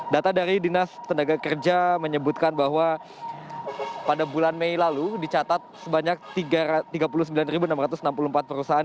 data dari dinas tenaga kerja menyebutkan bahwa pada bulan mei lalu dicatat sebanyak tiga puluh sembilan enam ratus enam puluh empat perusahaan